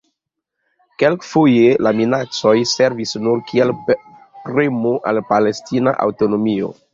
Kelkfoje la minacoj servis nur kiel premo al la palestina aŭtonomio.